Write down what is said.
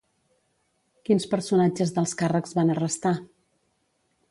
Quins personatges d'alts càrrecs van arrestar?